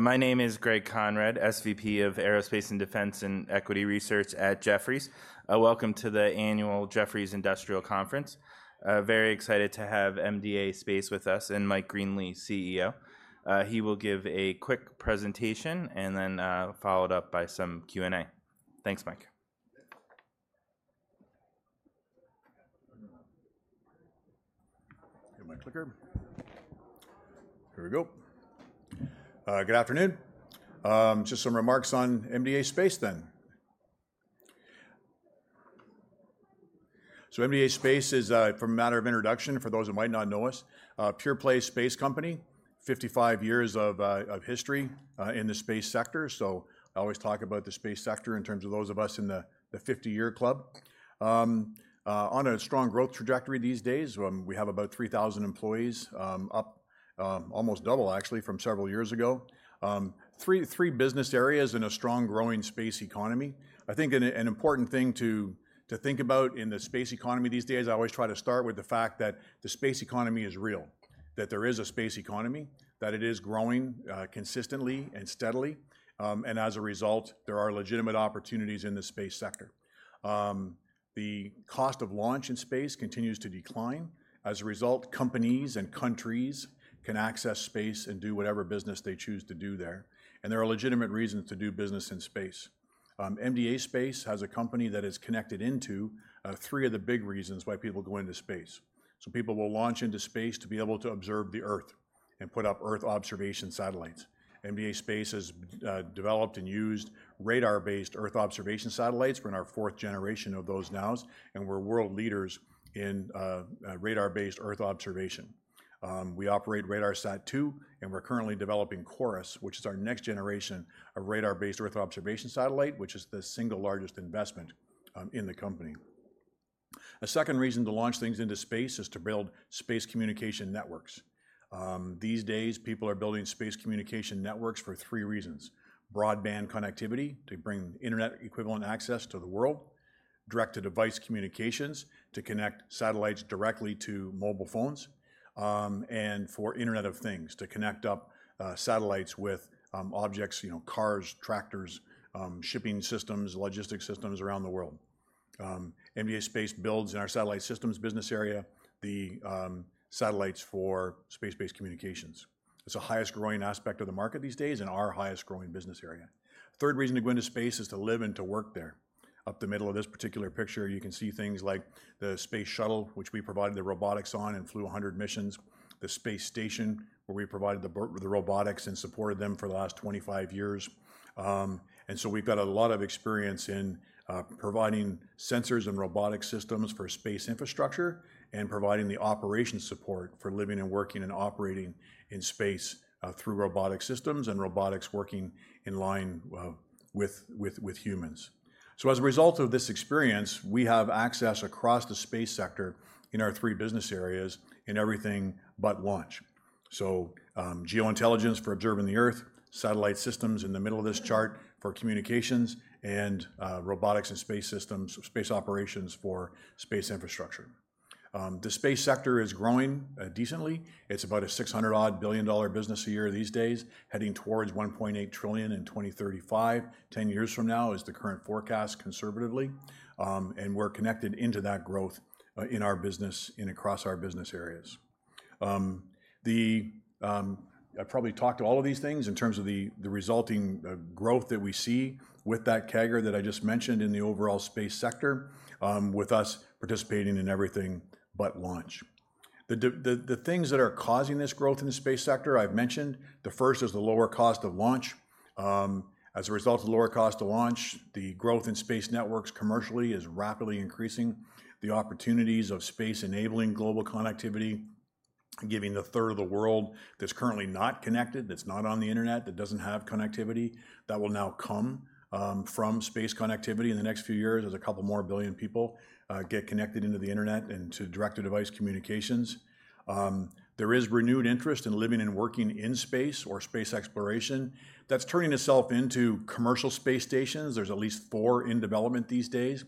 My name is Greg Konrad, SVP of Aerospace and Defense and Equity Research at Jefferies. Welcome to the Annual Jefferies Industrial Conference. Very excited to have MDA Space with us, and Mike Greenley, CEO. He will give a quick presentation, and then, followed up by some Q&A. Thanks, Mike. Get my clicker. Here we go. Good afternoon. Just some remarks on MDA Space, then. So MDA Space is, from a matter of introduction, for those who might not know us, a pure-play space company, fifty-five years of history in the space sector. So I always talk about the space sector in terms of those of us in the fifty-year club. On a strong growth trajectory these days, we have about three thousand employees, up almost double, actually, from several years ago. Three business areas in a strong, growing space economy. I think an important thing to think about in the space economy these days, I always try to start with the fact that the space economy is real, that there is a space economy, that it is growing, consistently and steadily. And as a result, there are legitimate opportunities in the space sector. The cost of launch in space continues to decline. As a result, companies and countries can access space and do whatever business they choose to do there, and there are legitimate reasons to do business in space. MDA Space as a company that is connected into three of the big reasons why people go into space. So people will launch into space to be able to observe the Earth and put up Earth observation satellites. MDA Space has developed and used radar-based Earth observation satellites. We're in our fourth generation of those now, and we're world leaders in radar-based Earth observation. We operate RADARSAT-2, and we're currently developing CHORUS, which is our next generation of radar-based Earth observation satellite, which is the single largest investment in the company. A second reason to launch things into space is to build space communication networks. These days, people are building space communication networks for three reasons: broadband connectivity, to bring internet equivalent access to the world, direct-to-device communications, to connect satellites directly to mobile phones, and for Internet of Things, to connect up satellites with objects, you know, cars, tractors, shipping systems, logistics systems around the world. MDA Space builds in our Satellite Systems business area, the satellites for space-based communications. It's the highest growing aspect of the market these days and our highest growing business area. Third reason to go into space is to live and to work there. Up the middle of this particular picture, you can see things like the Space Shuttle, which we provided the robotics on and flew 100 missions, the space station, where we provided the robotics and supported them for the last 25 years. And so we've got a lot of experience in providing sensors and robotic systems for space infrastructure and providing the operation support for living and working and operating in space through robotic systems and robotics working in line with humans. So as a result of this experience, we have access across the space sector in our three business areas in everything but launch. So Geointelligence for observing the Earth, Satellite systems in the middle of this chart for communications, and Robotics and Space Systems, space operations for space infrastructure. The space sector is growing decently. It's about a $600-odd billion business a year these days, heading towards $1.8 trillion in 2035, ten years from now, is the current forecast, conservatively. And we're connected into that growth, in our business and across our business areas. I've probably talked to all of these things in terms of the resulting growth that we see with that CAGR that I just mentioned in the overall space sector, with us participating in everything but launch. The things that are causing this growth in the space sector, I've mentioned. The first is the lower cost of launch. As a result of the lower cost to launch, the growth in space networks commercially is rapidly increasing. The opportunities of space enabling global connectivity, giving the third of the world that's currently not connected, that's not on the internet, that doesn't have connectivity, that will now come from space connectivity in the next few years, as a couple more billion people get connected into the internet and to direct-to-device communications. There is renewed interest in living and working in space or space exploration. That's turning itself into commercial space stations. There's at least four in development these days.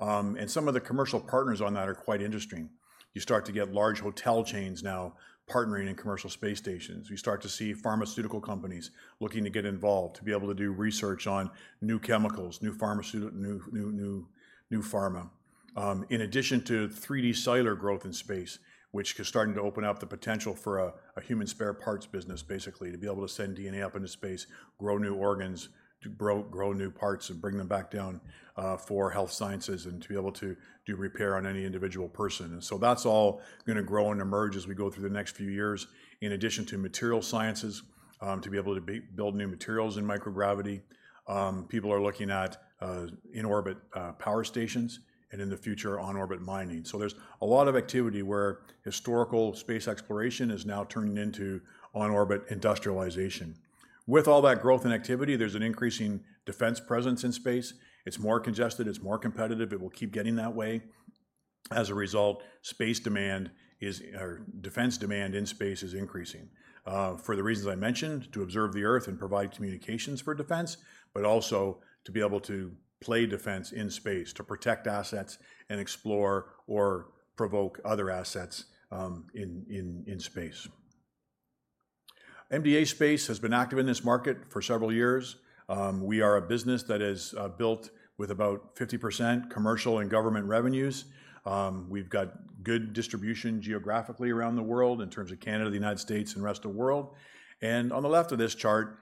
And some of the commercial partners on that are quite interesting. You start to get large hotel chains now partnering in commercial space stations. We start to see pharmaceutical companies looking to get involved, to be able to do research on new chemicals, new pharma. In addition to 3D cellular growth in space, which is starting to open up the potential for a human spare parts business, basically, to be able to send DNA up into space, grow new organs, to grow new parts and bring them back down, for health sciences and to be able to do repair on any individual person. And so that's all gonna grow and emerge as we go through the next few years. In addition to material sciences, to be able to build new materials in microgravity, people are looking at in-orbit power stations, and in the future, on-orbit mining. So there's a lot of activity where historical space exploration is now turning into on-orbit industrialization. With all that growth and activity, there's an increasing defense presence in space. It's more congested, it's more competitive. It will keep getting that way. As a result, space demand is or defense demand in space is increasing, for the reasons I mentioned, to observe the Earth and provide communications for defense, but also to be able to play defense in space, to protect assets and explore or provoke other assets, in space. MDA Space has been active in this market for several years. We are a business that is built with about 50% commercial and government revenues. We've got good distribution geographically around the world in terms of Canada, the United States, and the rest of world. On the left of this chart,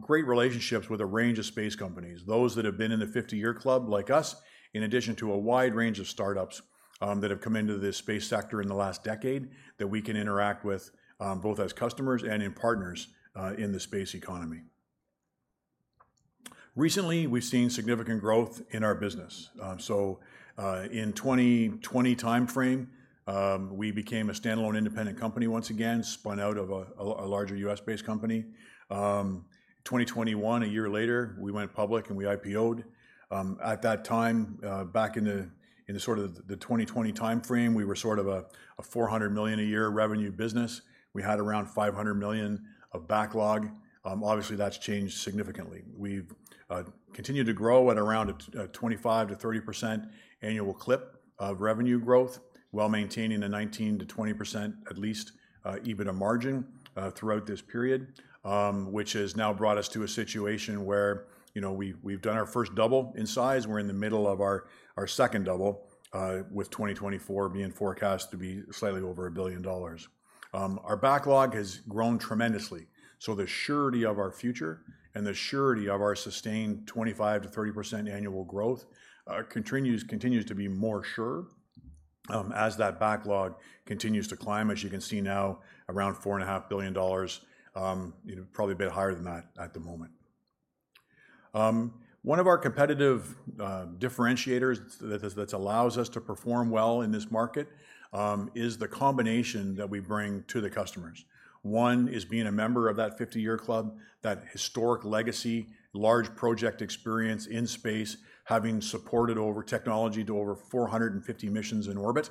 great relationships with a range of space companies, those that have been in the fifty-year club, like us, in addition to a wide range of startups that have come into this space sector in the last decade, that we can interact with, both as customers and as partners in the space economy. Recently, we've seen significant growth in our business. So, in the 2020 timeframe, we became a standalone independent company once again, spun out of a larger U.S.-based company. 2021, a year later, we went public, and we IPO'd. At that time, back in the sort of the 2020 timeframe, we were sort of a 400 million a year revenue business. We had around 500 million of backlog. Obviously, that's changed significantly. We've continued to grow at around a 25%-30% annual clip of revenue growth, while maintaining a 19% to 20%, at least, EBITDA margin throughout this period. Which has now brought us to a situation where, you know, we've done our first double in size, and we're in the middle of our second double, with 2024 being forecast to be slightly over 1 billion dollars. Our backlog has grown tremendously, so the surety of our future and the surety of our sustained 25%-30% annual growth continues to be more sure as that backlog continues to climb, as you can see now, around 4.5 billion dollars, you know, probably a bit higher than that at the moment. One of our competitive differentiators that allows us to perform well in this market is the combination that we bring to the customers. One is being a member of that 50-year club, that historic legacy, large project experience in space, having supported our technology to over 450 missions in orbit.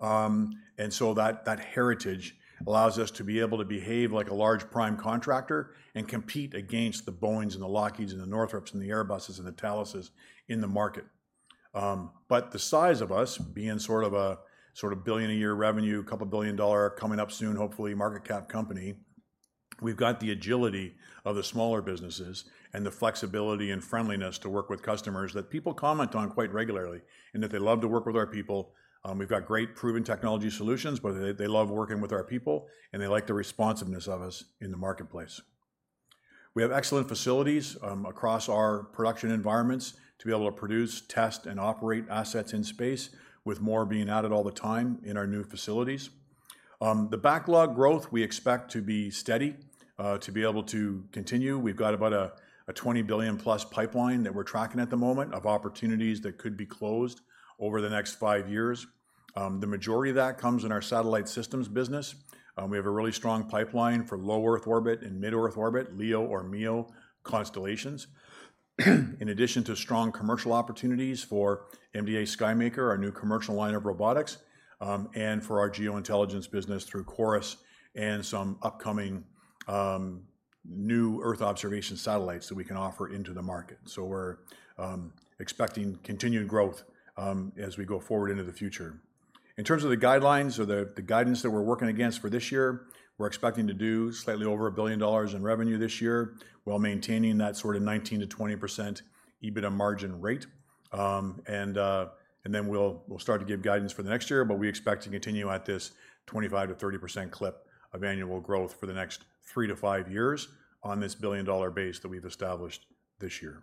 And so that heritage allows us to be able to behave like a large prime contractor and compete against the Boeings and the Lockheeds and the Northrops and the Airbuses and the Thales in the market. But the size of us being sort of a billion-a-year revenue, couple billion-dollar coming up soon, hopefully, market cap company, we've got the agility of the smaller businesses and the flexibility and friendliness to work with customers that people comment on quite regularly, and that they love to work with our people. We've got great proven technology solutions, but they love working with our people, and they like the responsiveness of us in the marketplace. We have excellent facilities across our production environments to be able to produce, test, and operate assets in space, with more being added all the time in our new facilities. The backlog growth we expect to be steady to be able to continue. We've got about a 20 billion plus pipeline that we're tracking at the moment of opportunities that could be closed over the next five years. The majority of that comes in our satellite systems business. We have a really strong pipeline for low Earth orbit and mid-Earth orbit, LEO or MEO constellations, in addition to strong commercial opportunities for MDA Skymaker, our new commercial line of robotics, and for our Geointelligence business through CHORUS and some upcoming new Earth observation satellites that we can offer into the market. So we're expecting continued growth as we go forward into the future. In terms of the guidelines or the guidance that we're working against for this year, we're expecting to do slightly over 1 billion dollars in revenue this year, while maintaining that sort of 19%-20% EBITDA margin rate. Then we'll start to give guidance for the next year, but we expect to continue at this 25%-30% clip of annual growth for the next three to five years on this 1 billion-dollar base that we've established this year.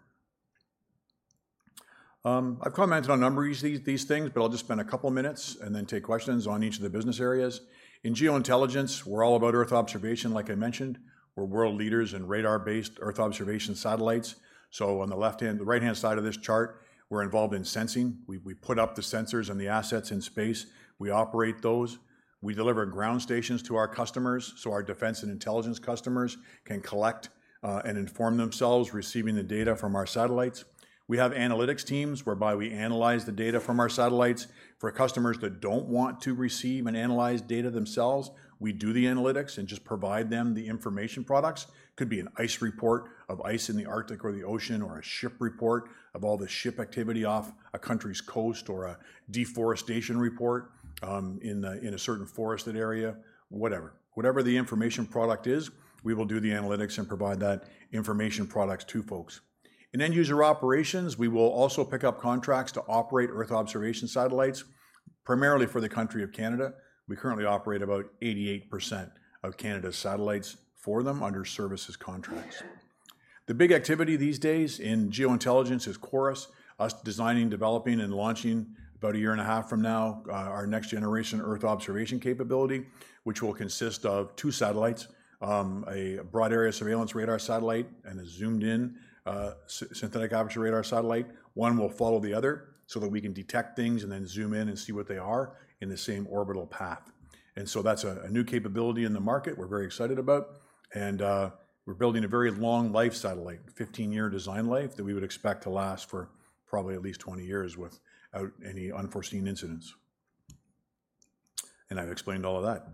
I've commented on a number of these things, but I'll just spend a couple of minutes and then take questions on each of the business areas. In Geointelligence, we're all about Earth observation, like I mentioned. We're world leaders in radar-based Earth observation satellites. So on the left-hand, the right-hand side of this chart, we're involved in sensing. We put up the sensors and the assets in space. We operate those. We deliver ground stations to our customers, so our defense and intelligence customers can collect and inform themselves, receiving the data from our satellites. We have analytics teams, whereby we analyze the data from our satellites. For customers that don't want to receive and analyze data themselves, we do the analytics and just provide them the information products. Could be an ice report of ice in the Arctic or the ocean, or a ship report of all the ship activity off a country's coast, or a deforestation report in a certain forested area, whatever. Whatever the information product is, we will do the analytics and provide that information products to folks. In end-user operations, we will also pick up contracts to operate Earth observation satellites, primarily for the country of Canada. We currently operate about 88% of Canada's satellites for them under services contracts. The big activity these days in geointelligence is CHORUS, us designing, developing, and launching, about a year and a half from now, our next-generation Earth observation capability, which will consist of two satellites, a broad area surveillance radar satellite, and a zoomed-in, synthetic aperture radar satellite. One will follow the other so that we can detect things and then zoom in and see what they are in the same orbital path. So that's a new capability in the market we're very excited about, and we're building a very long-life satellite, fifteen-year design life, that we would expect to last for probably at least twenty years without any unforeseen incidents. I've explained all of that.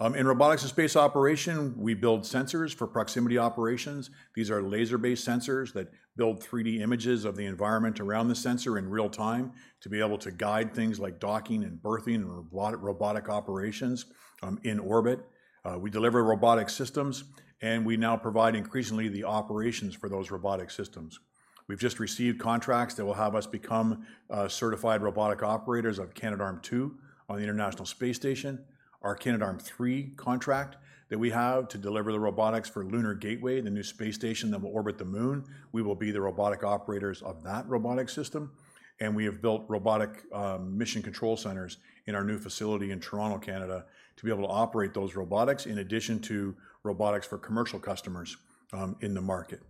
In Robotics and Space Operations, we build sensors for proximity operations. These are laser-based sensors that build 3D images of the environment around the sensor in real time to be able to guide things like docking and berthing and robotic operations in orbit. We deliver robotic systems, and we now provide increasingly the operations for those robotic systems. We've just received contracts that will have us become certified robotic operators of Canadarm2 on the International Space Station, our Canadarm3 contract that we have to deliver the robotics for Lunar Gateway, the new space station that will orbit the moon. We will be the robotic operators of that robotic system, and we have built robotic mission control centers in our new facility in Toronto, Canada, to be able to operate those robotics, in addition to robotics for commercial customers in the market.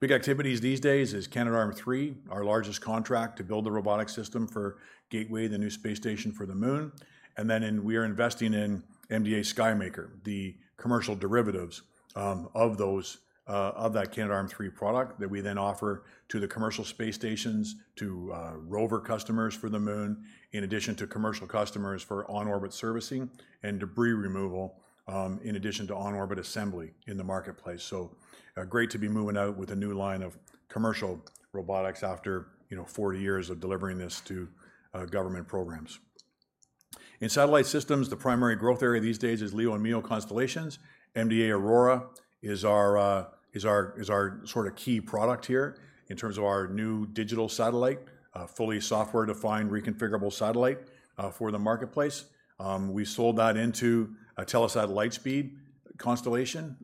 Big activities these days is Canadarm3, our largest contract, to build the robotic system for Gateway, the new space station for the moon, and then we are investing in MDA Skymaker, the commercial derivatives, of those, of that Canadarm3 product that we then offer to the commercial space stations, to rover customers for the moon, in addition to commercial customers for on-orbit servicing and debris removal, in addition to on-orbit assembly in the marketplace. Great to be moving out with a new line of commercial robotics after, you know, forty years of delivering this to government programs. In satellite systems, the primary growth area these days is LEO and MEO constellations. MDA Aurora is our sort of key product here in terms of our new digital satellite, a fully software-defined, reconfigurable satellite, for the marketplace. We sold that into a Telesat Lightspeed constellation,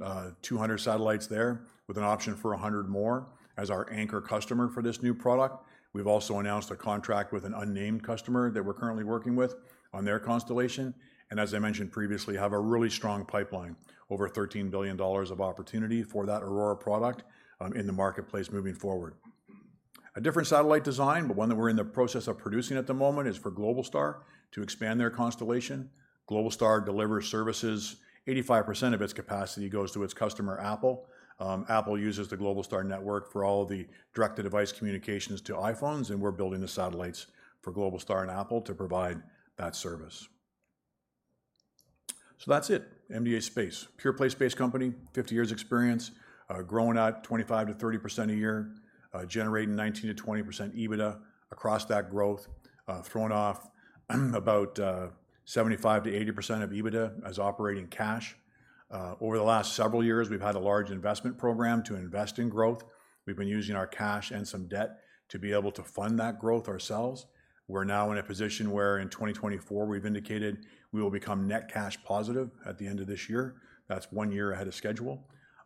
200 satellites there, with an option for 100 more, as our anchor customer for this new product. We've also announced a contract with an unnamed customer that we're currently working with on their constellation, and as I mentioned previously, have a really strong pipeline, over 13 billion dollars of opportunity for that Aurora product, in the marketplace moving forward. A different satellite design, but one that we're in the process of producing at the moment, is for Globalstar to expand their constellation. Globalstar delivers services, 85% of its capacity goes to its customer, Apple. Apple uses the Globalstar network for all of the direct-to-device communications to iPhones, and we're building the satellites for Globalstar and Apple to provide that service. So that's it, MDA Space. Pure-play space company, 50 years experience, growing at 25%-30% a year, generating 19%-20% EBITDA across that growth, throwing off about 75%-80% of EBITDA as operating cash. Over the last several years, we've had a large investment program to invest in growth. We've been using our cash and some debt to be able to fund that growth ourselves. We're now in a position where in 2024, we've indicated we will become net cash positive at the end of this year. That's one year ahead of schedule.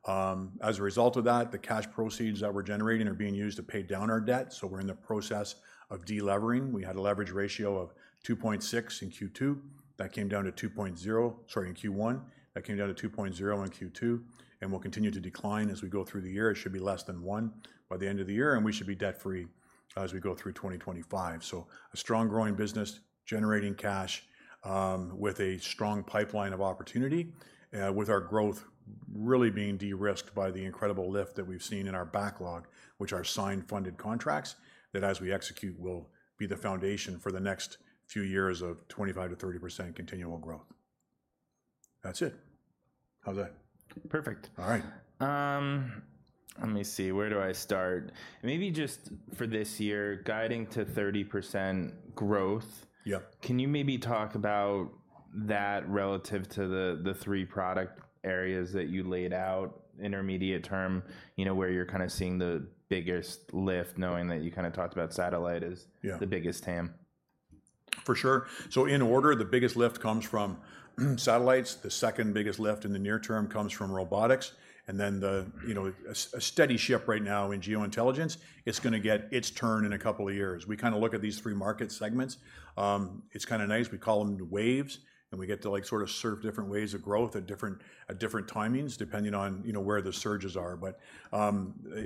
As a result of that, the cash proceeds that we're generating are being used to pay down our debt, so we're in the process of de-levering. We had a leverage ratio of 2.6 in Q2. That came down to 2.0-- sorry, in Q1. That came down to two point zero in Q2, and will continue to decline as we go through the year. It should be less than one by the end of the year, and we should be debt-free as we go through 2025. So a strong, growing business, generating cash, with a strong pipeline of opportunity, with our growth really being de-risked by the incredible lift that we've seen in our backlog, which are signed, funded contracts, that as we execute, will be the foundation for the next few years of 25%-30% continual growth. That's it. How's that? Perfect. All right. Let me see. Where do I start? Maybe just for this year, guiding to 30% growth- Yeah. Can you maybe talk about that relative to the three product areas that you laid out, intermediate term, you know, where you're kinda seeing the biggest lift, knowing that you kinda talked about satellite as- Yeah... the biggest TAM? For sure. So in order, the biggest lift comes from satellites. The second biggest lift in the near term comes from robotics, and then the, you know, a steady ship right now in geointelligence. It's gonna get its turn in a couple of years. We kinda look at these three market segments. It's kinda nice. We call them the waves, and we get to, like, sort of surf different waves of growth at different timings, depending on, you know, where the surges are. But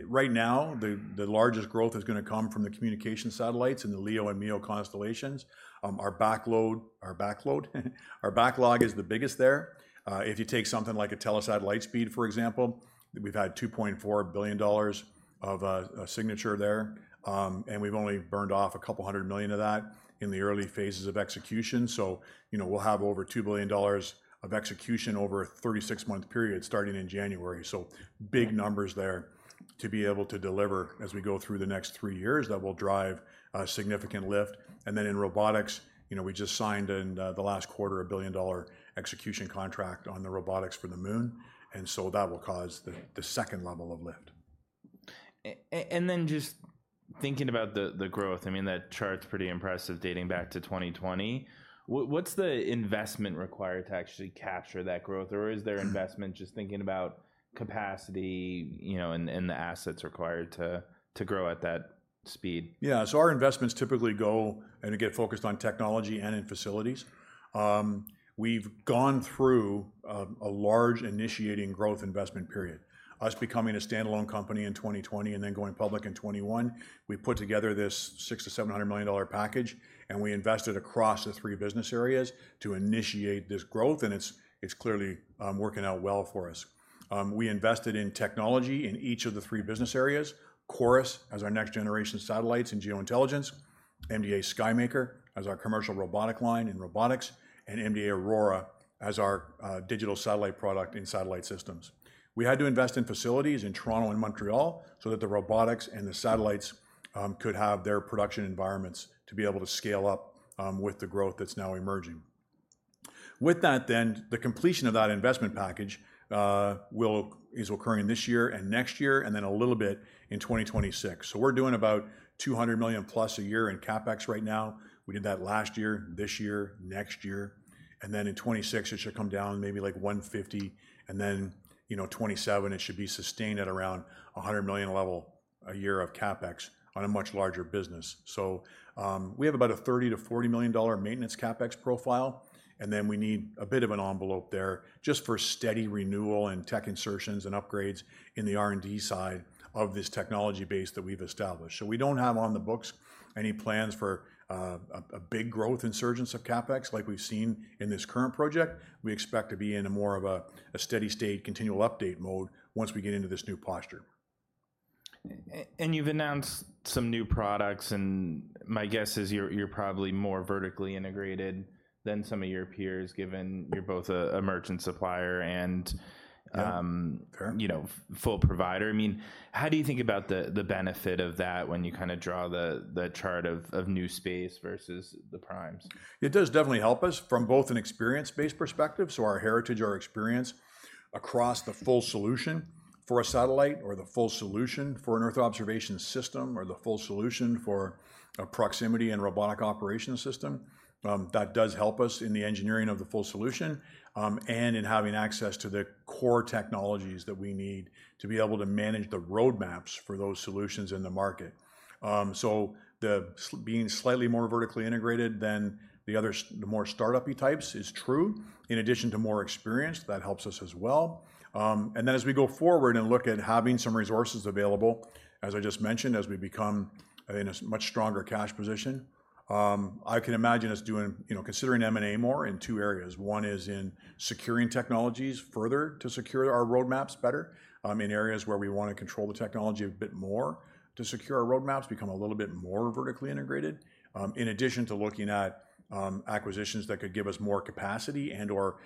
right now, the largest growth is gonna come from the communication satellites in the LEO and MEO constellations. Our backlog is the biggest there. If you take something like a Telesat Lightspeed, for example, we've had 2.4 billion dollars of a signature there, and we've only burned off a couple hundred million of that in the early phases of execution. So, you know, we'll have over 2 billion dollars of execution over a 36-month period, starting in January. So- Yeah... big numbers there to be able to deliver as we go through the next three years that will drive a significant lift, and then in robotics, you know, we just signed in the last quarter, a 1 billion-dollar execution contract on the robotics for the moon, and so that will cause the second level of lift. And then just thinking about the growth, I mean, that chart's pretty impressive, dating back to 2020. What's the investment required to actually capture that growth? Or is there investment, just thinking about capacity, you know, and the assets required to grow at that speed? Yeah. So our investments typically go and get focused on technology and in facilities. We've gone through a large initiating growth investment period, us becoming a standalone company in 2020 and then going public in 2021. We put together this 600 million-700 million dollar package, and we invested across the three business areas to initiate this growth, and it's clearly working out well for us. We invested in technology in each of the three business areas: CHORUS as our next-generation satellites and geointelligence, MDA Skymaker as our commercial robotic line in robotics, and MDA Aurora as our digital satellite product in satellite systems. We had to invest in facilities in Toronto and Montreal so that the robotics and the satellites could have their production environments to be able to scale up with the growth that's now emerging. With that then, the completion of that investment package is occurring this year and next year, and then a little bit in 2026, so we're doing about 200 million plus a year in CapEx right now. We did that last year, this year, next year, and then in 2026, it should come down maybe like 150, and then, you know, 2027, it should be sustained at around a 100 million level, a year of CapEx on a much larger business, so we have about a 30 million-40 million dollar maintenance CapEx profile, and then we need a bit of an envelope there just for steady renewal and tech insertions and upgrades in the R&D side of this technology base that we've established. So we don't have on the books any plans for a big growth in surge of CapEx like we've seen in this current project. We expect to be in a more of a steady state, continual update mode once we get into this new posture. And you've announced some new products, and my guess is you're probably more vertically integrated than some of your peers, given you're both a merchant supplier and Yeah, sure... you know, full provider. I mean, how do you think about the benefit of that when you kinda draw the chart of new space versus the primes? It does definitely help us from both an experience-based perspective, so our heritage, our experience across the full solution for a satellite or the full solution for an earth observation system, or the full solution for a proximity and robotic operations system. That does help us in the engineering of the full solution, and in having access to the core technologies that we need to be able to manage the roadmaps for those solutions in the market, so being slightly more vertically integrated than the other, the more startup-y types is true, in addition to more experience, that helps us as well, and then as we go forward and look at having some resources available, as I just mentioned, as we become in a much stronger cash position, I can imagine us doing... You know, considering M&A more in two areas. One is in securing technologies further to secure our roadmaps better, in areas where we wanna control the technology a bit more to secure our roadmaps, become a little bit more vertically integrated. In addition to looking at, acquisitions that could give us more capacity and/or,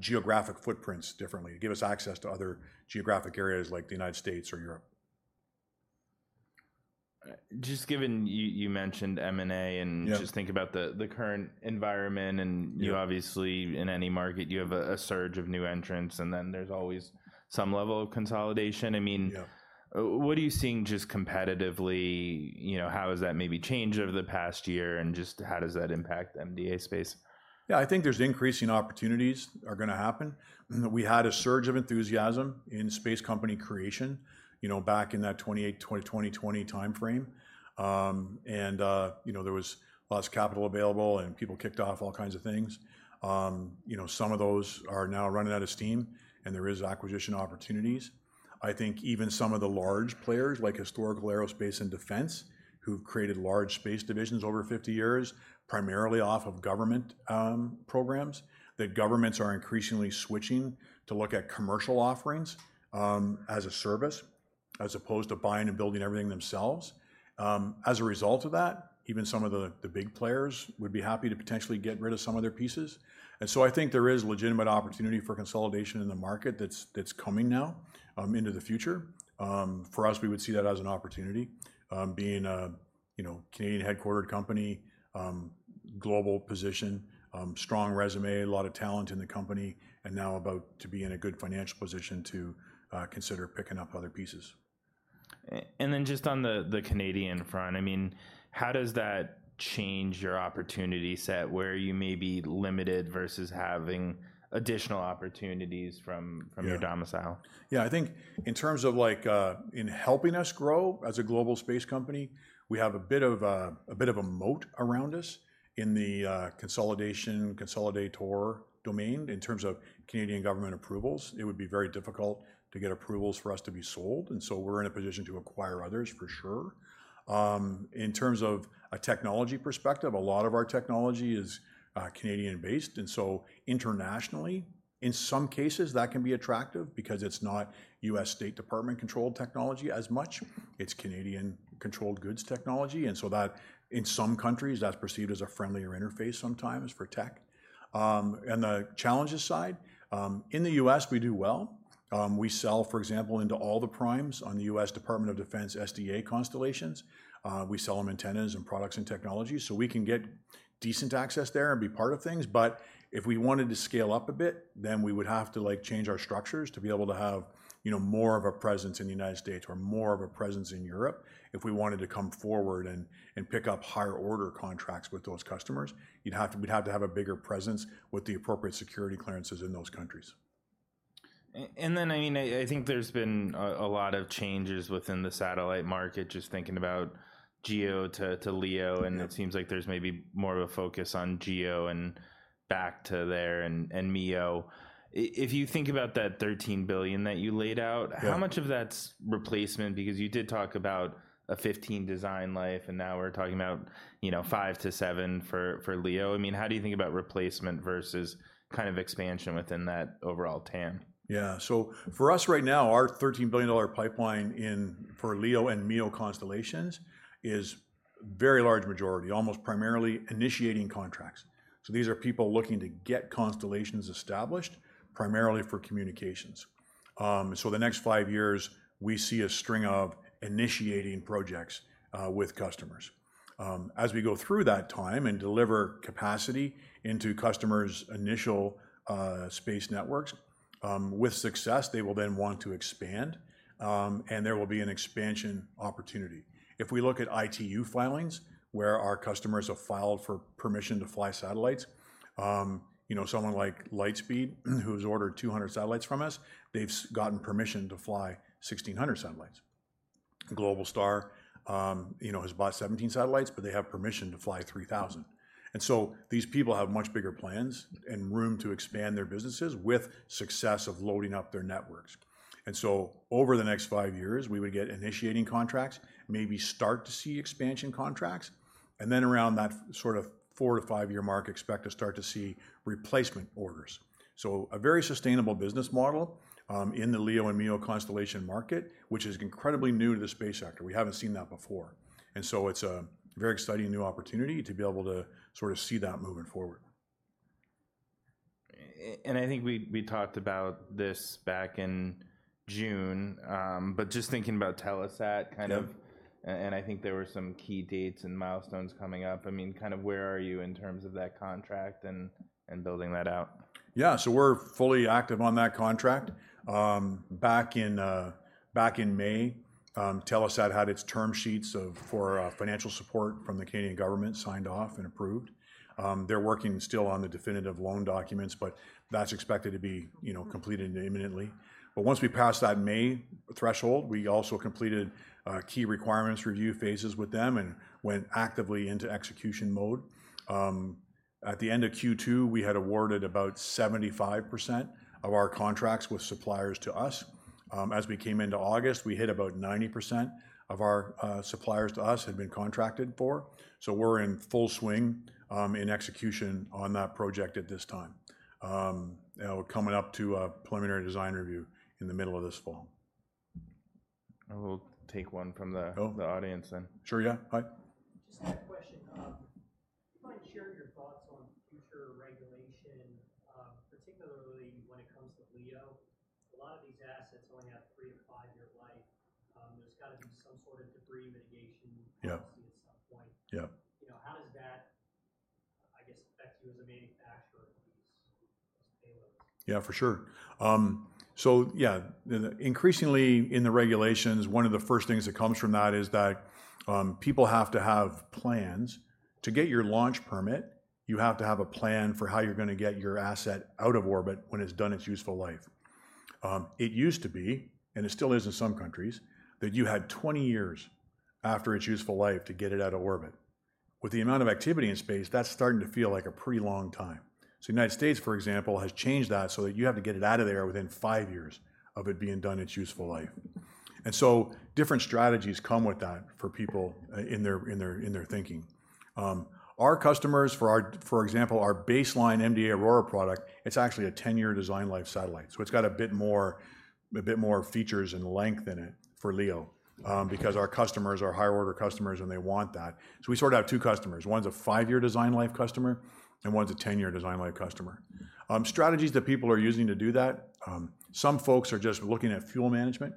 geographic footprints differently, give us access to other geographic areas like the United States or Europe. Just given you, you mentioned M&A, and- Yeah... just think about the current environment, and- Yeah... you obviously, in any market, you have a surge of new entrants, and then there's always some level of consolidation. I mean- Yeah... what are you seeing just competitively? You know, how has that maybe changed over the past year, and just how does that impact the MDA Space? Yeah, I think there's increasing opportunities are gonna happen. We had a surge of enthusiasm in space company creation, you know, back in that 2018 to 2020 timeframe. And, you know, there was lots of capital available, and people kicked off all kinds of things. You know, some of those are now running out of steam, and there is acquisition opportunities. I think even some of the large players, like historical aerospace and defense, who've created large space divisions over 50 years, primarily off of government programs, that governments are increasingly switching to look at commercial offerings, as a service, as opposed to buying and building everything themselves. As a result of that, even some of the, the big players would be happy to potentially get rid of some of their pieces. And so I think there is legitimate opportunity for consolidation in the market that's coming now into the future. For us, we would see that as an opportunity, being a, you know, Canadian-headquartered company, global position, strong resume, a lot of talent in the company, and now about to be in a good financial position to consider picking up other pieces. And then just on the Canadian front, I mean, how does that change your opportunity set, where you may be limited versus having additional opportunities from? Yeah... from your domicile? Yeah, I think in terms of like, in helping us grow as a global space company, we have a bit of a, a bit of a moat around us in the, consolidation, consolidator domain. In terms of Canadian government approvals, it would be very difficult to get approvals for us to be sold, and so we're in a position to acquire others, for sure. In terms of a technology perspective, a lot of our technology is, Canadian-based, and so internationally, in some cases, that can be attractive because it's not U.S. State Department-controlled technology as much. It's Canadian-controlled goods technology, and so that, in some countries, that's perceived as a friendlier interface sometimes for tech. And the challenges side, in the U.S., we do well. We sell, for example, into all the primes on the U.S. Department of Defense SDA constellations. We sell them antennas and products and technology, so we can get decent access there and be part of things. But if we wanted to scale up a bit, then we would have to, like, change our structures to be able to have, you know, more of a presence in the United States or more of a presence in Europe. If we wanted to come forward and pick up higher-order contracts with those customers, you'd have to- we'd have to have a bigger presence with the appropriate security clearances in those countries. I mean, I think there's been a lot of changes within the satellite market, just thinking about GEO-LEO. Mm-hmm. And it seems like there's maybe more of a focus on GEO and back to there and, and MEO. If you think about that thirteen billion that you laid out- Yeah... how much of that's replacement? Because you did talk about a fifteen design life, and now we're talking about, you know, five to seven for LEO. I mean, how do you think about replacement versus kind of expansion within that overall TAM? Yeah. So for us right now, our 13 billion dollar pipeline in for LEO and MEO constellations is very large majority, almost primarily initiating contracts. So these are people looking to get constellations established, primarily for communications. So the next five years, we see a string of initiating projects with customers as we go through that time and deliver capacity into customers' initial space networks with success, they will then want to expand and there will be an expansion opportunity. If we look at ITU filings, where our customers have filed for permission to fly satellites, you know, someone like Lightspeed, who's ordered 200 satellites from us, they've gotten permission to fly 1,600 satellites. Globalstar, you know, has bought 17 satellites, but they have permission to fly 3,000. These people have much bigger plans and room to expand their businesses with success of loading up their networks. Over the next five years, we would get initiating contracts, maybe start to see expansion contracts, and then around that sort of four to five-year mark, expect to start to see replacement orders. A very sustainable business model in the LEO and MEO constellation market, which is incredibly new to the space sector. We haven't seen that before, and so it's a very exciting new opportunity to be able to sort of see that moving forward. I think we talked about this back in June, but just thinking about Telesat, kind of. Yeah... and I think there were some key dates and milestones coming up. I mean, kind of where are you in terms of that contract and building that out? Yeah, so we're fully active on that contract. Back in May, Telesat had its term sheets of for financial support from the Canadian government signed off and approved. They're working still on the definitive loan documents, but that's expected to be, you know, completed imminently. But once we passed that May threshold, we also completed key requirements review phases with them and went actively into execution mode. At the end of Q2, we had awarded about 75% of our contracts with suppliers to us. As we came into August, we hit about 90% of our suppliers to us had been contracted for. So we're in full swing in execution on that project at this time. Now we're coming up to a preliminary design review in the middle of this fall. I will take one from the- Oh... the audience then. Sure, yeah. Hi. Just had a question. Do you mind sharing your thoughts on future regulation, particularly when it comes to LEO? A lot of these assets only have a three-to-five-year life. There's gotta be some sort of debris mitigation- Yeah... policy at some point. Yeah. You know, how does that, I guess, affect you as a manufacturer of these payloads? Yeah, for sure. Increasingly in the regulations, one of the first things that comes from that is that people have to have plans. To get your launch permit, you have to have a plan for how you're gonna get your asset out of orbit when it's done its useful life. It used to be, and it still is in some countries, that you had 20 years after its useful life to get it out of orbit. With the amount of activity in space, that's starting to feel like a pretty long time. So the United States, for example, has changed that so that you have to get it out of there within 5 years of it being done its useful life. And so different strategies come with that for people in their thinking. Our customers, for example, our baseline MDA Aurora product, it's actually a 10-year design life satellite. So it's got a bit more, a bit more features and length in it for LEO, because our customers are higher-order customers, and they want that. So we sort of have two customers. One's a five-year design life customer, and one's a 10-year design life customer. Strategies that people are using to do that, some folks are just looking at fuel management,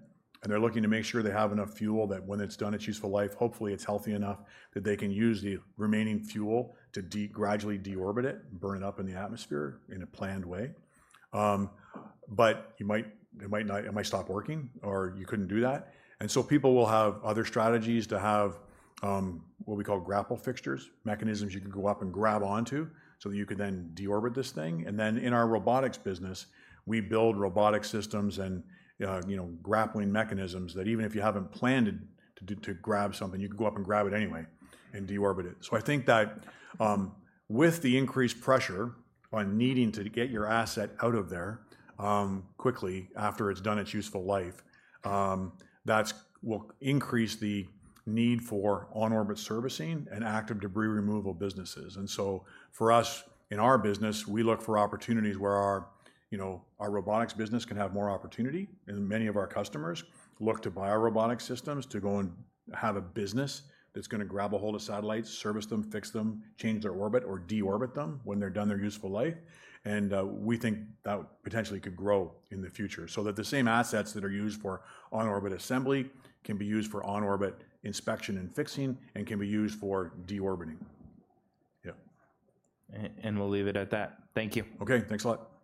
and they're looking to make sure they have enough fuel that when it's done its useful life, hopefully it's healthy enough that they can use the remaining fuel to gradually deorbit it, burn it up in the atmosphere in a planned way. But it might not... It might stop working, or you couldn't do that, and so people will have other strategies to have what we call grapple fixtures, mechanisms you can go up and grab onto, so that you could then deorbit this thing. And then, in our robotics business, we build robotic systems and, you know, grappling mechanisms, that even if you haven't planned it, to do, to grab something, you can go up and grab it anyway and deorbit it. So I think that, with the increased pressure on needing to get your asset out of there, quickly after it's done its useful life, that's-- will increase the need for on-orbit servicing and active debris removal businesses. And so for us, in our business, we look for opportunities where our, you know, our robotics business can have more opportunity, and many of our customers look to buy our robotics systems to go and have a business that's gonna grab ahold of satellites, service them, fix them, change their orbit or deorbit them when they're done their useful life. And, we think that potentially could grow in the future, so that the same assets that are used for on-orbit assembly can be used for on-orbit inspection and fixing and can be used for deorbiting. Yeah. And we'll leave it at that. Thank you. Okay, thanks a lot.